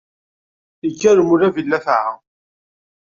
Ikker umulab i llafεa.